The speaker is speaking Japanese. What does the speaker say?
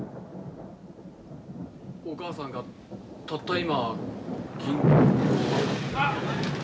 お母さんがたった今。